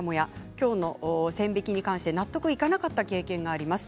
きょうの線引きに関して納得いかなかった経験があります。